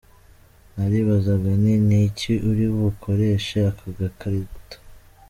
Naribazaga nti ‘ n’iki uri bukoreshe aka gakarito’.